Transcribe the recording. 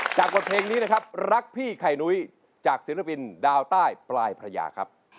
จากวันเพลงนี้นะครับรักพี่ไข่นุ้ยจากศิลปินดาวด้าวต้ายปลายภรรยาครับ